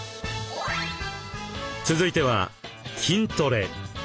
続いては筋トレ。